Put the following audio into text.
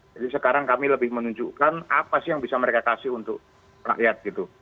jadi sekarang kami lebih menunjukkan apa sih yang bisa mereka kasih untuk rakyat gitu